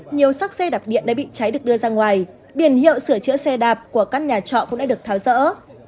nhiều sắc xe đạp điện đã bị cháy được đưa ra ngoài biển hiệu sửa chữa xe đạp của các nhà trọ cũng đã được tháo rỡ